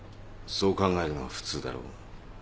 そう考えるのが普通だろう。